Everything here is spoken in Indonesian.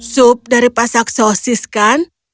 sup dari pasak sosis kan